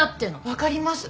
わかります。